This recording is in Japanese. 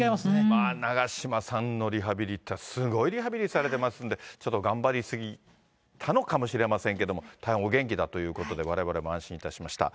まあ長嶋さんのリハビリっていったら、すごいリハビリされてますんで、ちょっと頑張り過ぎたのかもしれませんけれども、大変お元気だということで、われわれも安心いたしました。